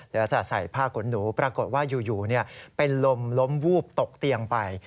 ลักษณะใส่ผ้าขนหนูปรากฏว่าอยู่เป็นลมล้มวูบตกเตียงไป